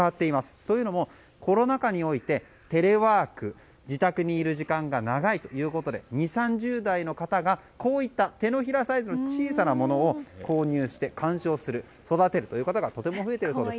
というのもコロナ禍でテレワーク自宅にいる時間が長いということで２０３０代の方がこういった手のひらサイズの小さなものを購入して観賞したり育てることがとても増えているそうです。